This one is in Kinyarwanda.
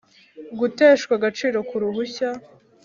guteshwa agaciro ku ruhushya